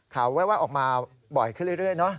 แวะออกมาบ่อยขึ้นเรื่อยเนอะ